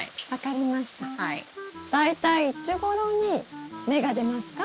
大体いつごろに芽が出ますか？